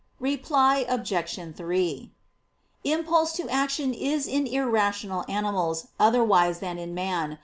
Reply Obj. 3: Impulse to action is in irrational animals otherwise than in man.